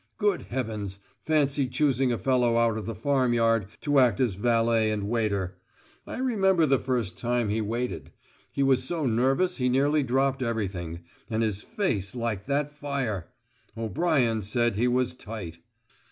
Good heavens, fancy choosing a fellow out of the farmyard to act as valet and waiter! I remember the first time he waited! He was so nervous he nearly dropped everything, and his face like that fire! O'Brien said he was tight!"